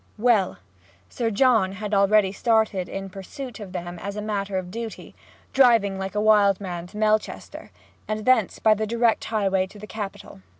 Well; Sir John had already started in pursuit of them as a matter of duty, driving like a wild man to Melchester, and thence by the direct highway to the capital.